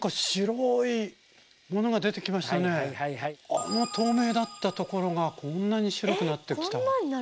あの透明だったところがこんなに白くなってきた。